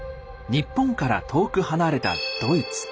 日本から遠く離れたドイツ。